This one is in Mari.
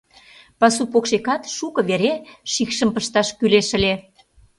Пасу покшекат шуко вере шикшым пышташ кӱлеш ыле...